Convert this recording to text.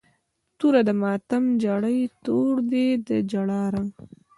توره د ماتم جړۍ، تور دی د جړا رنګ